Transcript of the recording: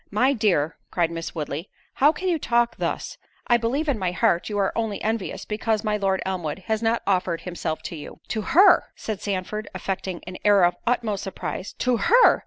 "My dear," cried Miss Woodley, "how can you talk thus? I believe in my heart you are only envious, because my Lord Elmwood has not offered himself to you." "To her!" said Sandford, affecting an air of the utmost surprise; "to her!